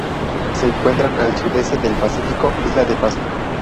Se encuentran al sudeste del Pacífico: Isla de Pascua.